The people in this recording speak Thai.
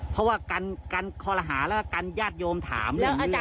เพราะว่าการคอรหาและการยาดโยมถาม